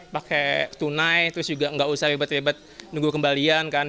pakai tunai terus juga gak usah ribet ribet nunggu kembalian kan